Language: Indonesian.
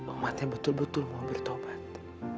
umatnya betul betul mau bertobat